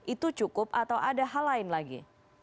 itu cukup atau ada hal lain lagi